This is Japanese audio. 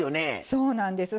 そうなんです。